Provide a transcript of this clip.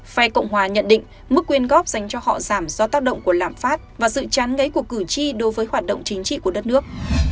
phe cộng hòa nhận định mức quyên góp dành cho họ giảm do tác động của lạm phát và sự chán ngấy của cử tri đối với hoạt động chính trị của đất nước